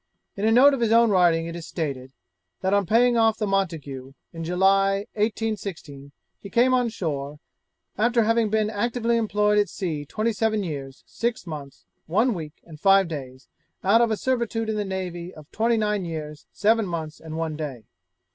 In a note of his own writing it is stated, that on paying off the Montague, in July, 1816, he came on shore, after having been actively employed at sea twenty seven years, six months, one week, and five days, out of a servitude in the navy of twenty nine years, seven months, and one day.